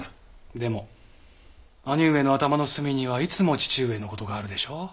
でも兄上の頭の隅にはいつも父上の事があるでしょう？